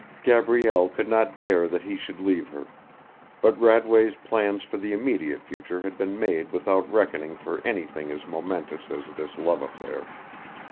Gabrielle could not bear that he should leave her, but Radway's plans for the immediate future had been made without reckoning for anything as momentous as this love affair.